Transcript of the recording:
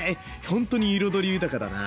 ほんとに彩り豊かだな！